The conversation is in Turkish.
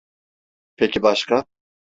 Peki başka?